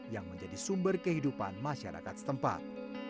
yang menjadi sumber kehidupan masyarakat setempat